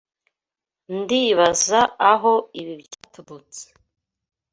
Ndibaza aho ibi byaturutse.